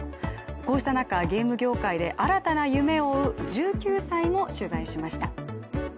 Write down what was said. こうした中、ゲーム業界で新たな夢を追う１９歳を取材しました。